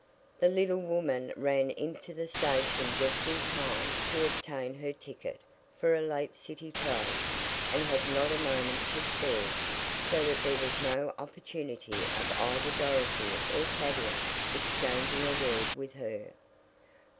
The little woman ran into the station just in time to obtain her ticket for a late city train, and had not a moment to spare, so that there was no opportunity of either Dorothy or Tavia exchanging a word with her.